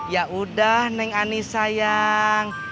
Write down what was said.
yaudah neng ani sayang